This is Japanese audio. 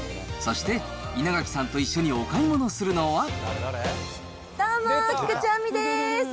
そして、稲垣さんと一緒にお買い物するのは。